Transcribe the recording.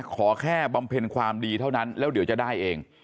ขอแค่บำเพ็ญความดีเท่านั้นแล้วเดี๋ยวจะได้เอง